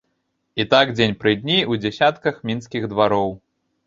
І так дзень пры дні, у дзясятках мінскіх двароў.